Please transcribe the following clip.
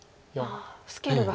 スケールが。